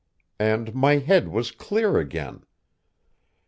And my head was clear again.